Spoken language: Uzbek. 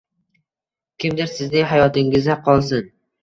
Kimdir sizning hayotingizda qolsin.